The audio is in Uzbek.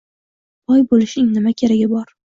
— Boy bo‘lishning nima keragi bor?